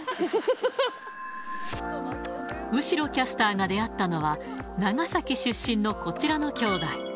後呂キャスターが出会ったのは、長崎出身のこちらの姉弟。